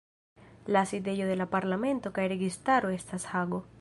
La sidejo de la parlamento kaj registaro estas Hago.